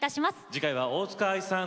次回は大塚愛さん